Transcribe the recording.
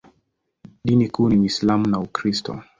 Dini kuu ni Uislamu na Ukristo.